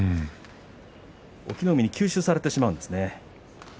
隠岐の海に吸収されてしまうんですね。